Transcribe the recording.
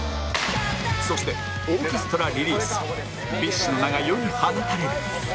そして『オーケストラ』リリースＢｉＳＨ の名が世に放たれる